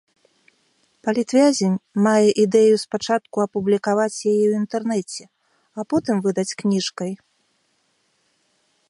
Палітвязень мае ідэю спачатку апублікаваць яе ў інтэрнэце, а потым выдаць кніжкай.